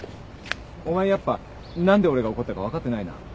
お前やっぱ何で俺が怒ったか分かってないな。